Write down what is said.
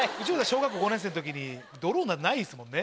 小学校５年生の時にドローンなんてないですもんね。